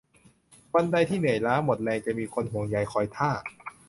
วันใดที่เหนื่อยล้าหมดแรงจะมีคนห่วงใยคอยท่า